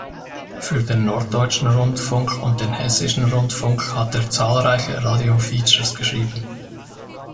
Für den Norddeutschen Rundfunk und den Hessischen Rundfunk hat er zahlreiche Radio-Features geschrieben.